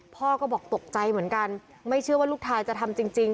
พ่อก็บอกตกใจเหมือนกันไม่เชื่อว่าลูกชายจะทำจริง